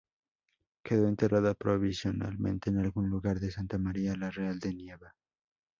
Quedó enterrada provisionalmente en algún lugar de Santa María la Real de Nieva.